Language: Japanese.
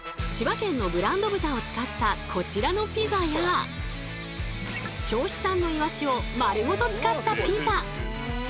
千葉県のブランド豚を使ったこちらのピザや銚子産のイワシを丸ごと使ったピザ。